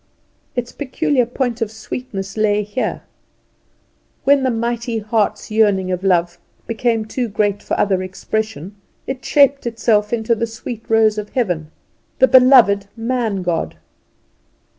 Its peculiar point of sweetness lay here. When the Mighty Heart's yearning of love became too great for other expression, it shaped itself into the sweet Rose of heaven, the beloved Man god.